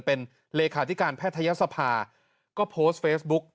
เป็นเลขาธิการแพทยศภาก็โพสต์เฟซบุ๊ก